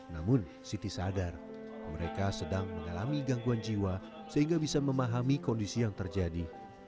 namun siti sadar mereka sedang mengalami gangguan jiwa sehingga bisa memahami kondisi yang terjadi